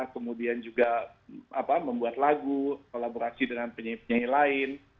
kemudian juga membuat lagu kolaborasi dengan penyanyi penyanyi lain